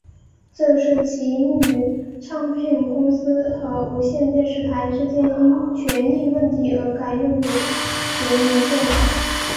这是起因于唱片公司和无线电视台之间因权益问题而改用的权宜作法。